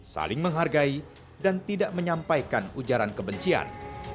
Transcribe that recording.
saling menghargai dan tidak menyampaikan ujaran kebencian